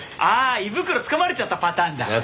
ああ胃袋つかまれちゃったパターンだ。